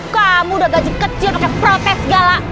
kamu udah gaji kecil ngeprotes segala